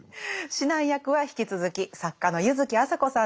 指南役は引き続き作家の柚木麻子さんです。